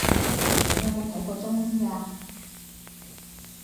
你有冇睇過中醫呀